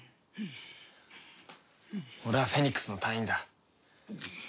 俺はフェニックスの隊員だ。